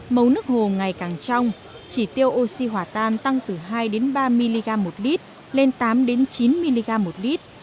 mấu nước hồ ngày càng trong chỉ tiêu oxy hỏa tan tăng từ hai ba mg một lít lên tám chín mg một lít